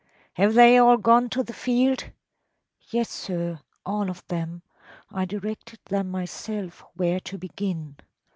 “Have they all gone to the field?‚ÄĚ “Yes, sir; all of them. I directed them myself where to begin.